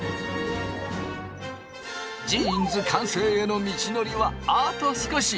ジーンズ完成への道のりはあと少し。